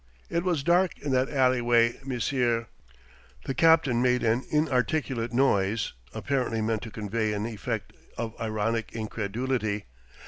"It was dark in that alleyway, monsieur." The captain made an inarticulate noise, apparently meant to convey an effect of ironic incredulity.